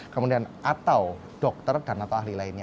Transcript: kemudian atau dokter dan atau ahli lainnya